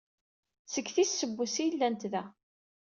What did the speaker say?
Seg tis semmuset ay llant da.